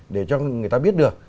để cho người ta biết được